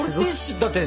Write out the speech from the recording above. だって。